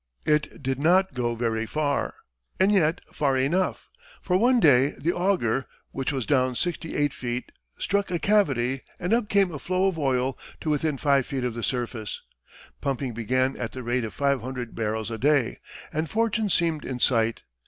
It did not go very far and yet far enough for one day the auger, which was down sixty eight feet, struck a cavity, and up came a flow of oil to within five feet of the surface. Pumping began at the rate of five hundred barrels a day, and fortune seemed in sight.